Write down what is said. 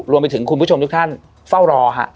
รวมไปถึงคุณผู้ชมทุกท่านเฝ้ารอฮะ